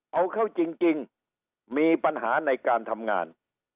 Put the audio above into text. เอาเข้าจริงมีปัญหาในการทำงาน